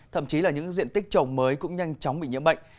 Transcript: thậm chí là những diện tích trồng mới cũng nhanh chóng bị nhiễm bệnh